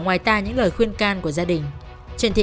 ngoài ta những lời khuyên can của gia đình